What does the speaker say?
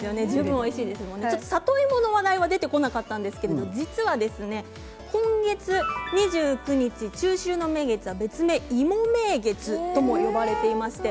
里芋の話題は出てこなかったんですけど実は今月２９日、中秋の名月は別名、芋名月とも呼ばれています。